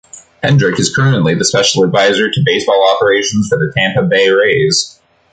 Hendrick is currently the special advisor to baseball operations for the Tampa Bay Rays.